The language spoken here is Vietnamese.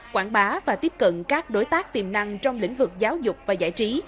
quảng bá và tiếp cận các đối tác tiềm năng trong lĩnh vực giáo dục và giải trí